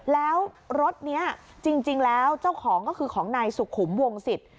แล้วรถนี้จริงแล้วเจ้าของก็คือของนายสุขุมวงศิษย